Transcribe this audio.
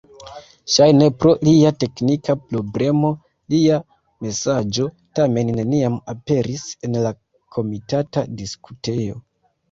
Ŝajne pro plia teknika problemo lia mesaĝo tamen neniam aperis en la komitata diskutejo.